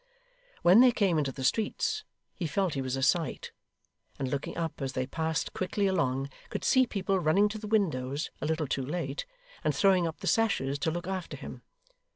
When they came into the streets, he felt he was a sight; and looking up as they passed quickly along, could see people running to the windows a little too late, and throwing up the sashes to look after him.